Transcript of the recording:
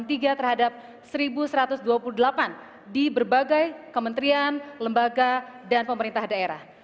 pembangunan pns terhadap eslon tiga terhadap satu satu ratus dua puluh delapan di berbagai kementerian lembaga dan pemerintah daerah